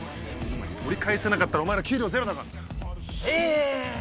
取り返せなかったらお前ら給料ゼロだかんな。